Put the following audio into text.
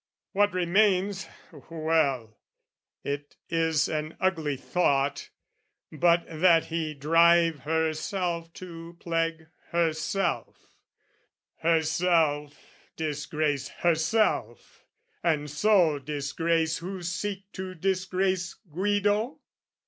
What remains...well, it is an ugly thought... But that he drive herself to plague herself Herself disgrace herself and so disgrace Who seek to disgrace Guido?